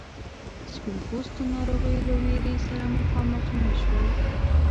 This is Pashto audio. سپین پوستو ناروغیو له ویرې سره مخامخ نه شول.